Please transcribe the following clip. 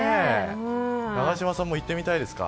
永島さんも行ってみたいですか。